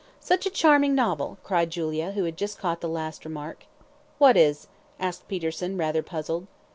"Such a charming novel," cried Julia, who had just caught the last remark. "What is?" asked Peterson, rather puzzled.